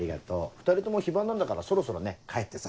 ２人とも非番なんだからそろそろね帰ってさ。